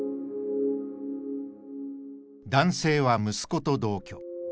男性は息子と同居。